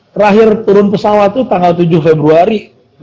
terakhir turun pesawat tuh tanggal tujuh februari dua ribu sembilan belas